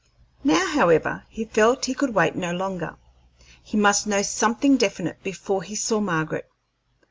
Now, however, he felt he could wait no longer; he must know something definite before he saw Margaret.